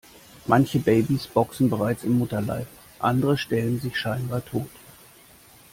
Manche Babys boxen bereits im Mutterleib, andere stellen sich scheinbar tot.